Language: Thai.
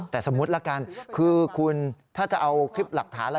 แต่สมมุติละกันคือคุณถ้าจะเอาคลิปหลักฐานอะไร